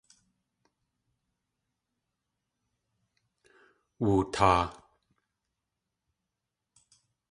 Wootaa.